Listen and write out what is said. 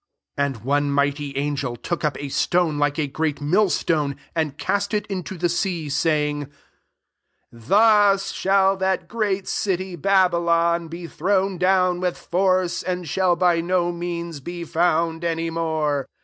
* 21 And one mighty angel took up a stone like a great mill stone, and cast it into the sea, saying, << Thus shall that great city Babylon be thrown down with, force, and shall by no means be found any more.